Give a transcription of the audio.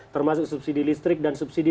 termasuk subsidi listrik dan subsidi